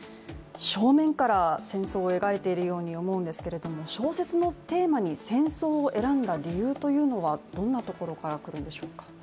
正面から戦争を描いているように思うんですけれども小説のテーマに戦争を選んだ理由というのはどんなところからくるんでしょうか？